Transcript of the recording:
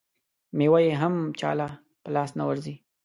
مېوه یې هم چا له په لاس نه ورځي.